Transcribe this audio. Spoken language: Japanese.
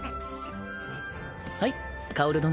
はい薫殿。